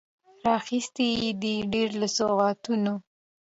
راخیستي یې دي، ډیر له سوغاتونو